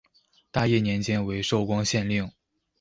大业年间为寿光县令。